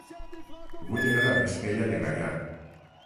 Vull anar a Vespella de Gaià